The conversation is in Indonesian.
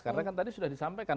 karena kan tadi sudah disampaikan